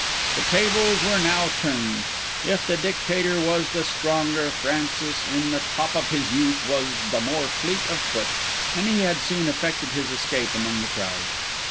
The tables were now turned. If the Dictator was the stronger, Francis, in the top of his youth, was the more fleet of foot, and he had soon effected his escape among the crowds.